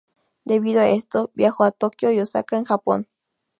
Debido a esto, viajó a Tokio y Osaka, en Japón.